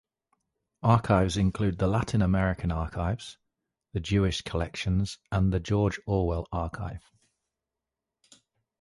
Archives include the Latin American archives, the Jewish collections and the George Orwell Archive.